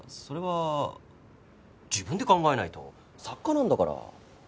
それは自分で考えないと作家なんだから。